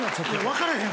分からへん